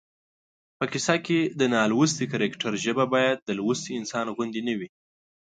په کیسه کې د نالوستي کرکټر ژبه باید د لوستي انسان غوندې نه وي